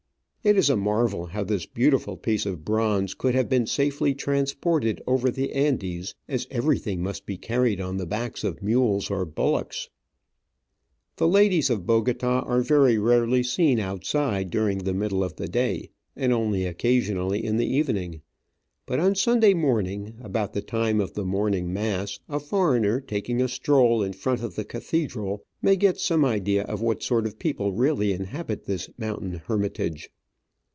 It is a marvel how this beautiful piece of bronze could have been safely transported over the Andes, as everything must be carried on the backs pf mules or bullocks. BRONZE STATUE TO SIMON BOLIVAR, . Digitized by VjOOQIC 132 Travels and Adventures The ladies of Bogota are very rarely seen outside during the middle of the day, and only occasionally in the evening. But on Sunday morning, about the LADY IN MANTILLA. time of the morning mass, a foreigner taking a stroll in front of the cathedral may get some idea of what sort of people really inhabit this mountain hermitage.